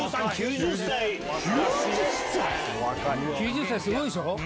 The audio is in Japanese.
９０歳⁉すごいでしょ！